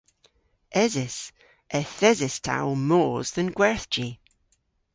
Eses. Yth eses ta ow mos dhe'n gwerthji.